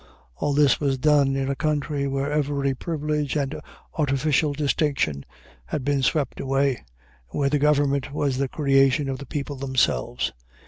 All this was done in a country where every privilege and artificial distinction had been swept away, and where the government was the creation of the people themselves.